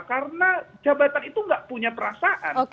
karena jabatan itu tidak punya perasaan